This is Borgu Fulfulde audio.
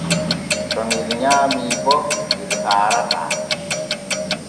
To ŋel nyaami bo ŋel haarataa.